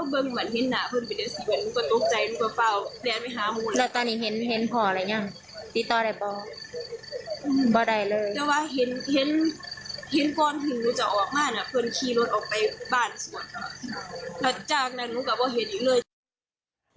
บ้านส่วนหลังจากนั้นหนูกลับว่าเห็นอีกเลย